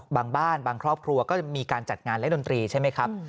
บางบ้านบางครอบครัวก็มีการจัดงานเล่นดนตรีใช่ไหมครับ